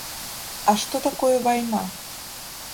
А што такое вайна?